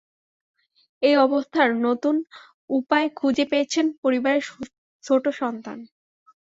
এই অবস্থায় নতুন উপায় খুঁজে পেয়েছেন পরিবারের ছোট সন্তান।